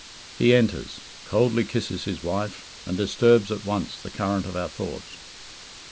He enters, coldly kisses his wife, and disturbs at once the current of our thoughts.